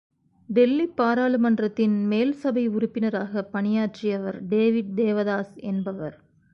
டெல்லிப் பாராளு மன்றத்தின் மேல்சபை உறுப்பின ராகப் பணியாற்றியவர் டேவிட் தேவதாஸ் என்பவர்.